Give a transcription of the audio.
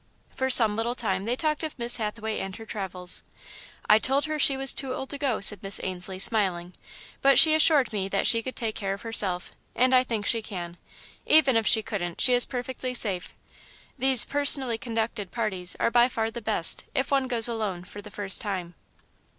For some little time, they talked of Miss Hathaway and her travels. "I told her she was too old to go," said Miss Ainslie,. smiling, "but she assured me that she could take care of herself, and I think she can. Even if she couldn't, she is perfectly safe. These 'personally conducted' parties are by far the best, if one goes alone, for the first time."